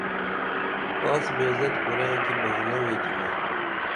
کاس بےعزت کُرئیں کی بھانہ ویچِنُمہ